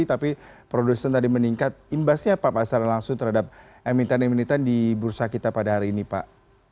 tapi produsen tadi meningkat imbasnya apa pasarnya langsung terhadap emiten emiten di bursa kita pada hari ini pak